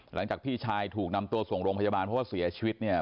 หลังจากพี่ชายถูกนำตัวส่งโรงพยาบาลเพราะว่าเสียชีวิตเนี่ย